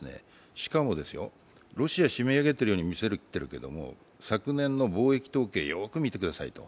しかもロシア締め上げているように見せてるけど、昨年の貿易統計をよく見てくださいと。